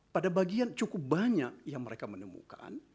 pada bagian cukup banyak yang mereka menemukan